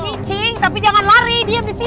cicing tapi jangan lari diem di sini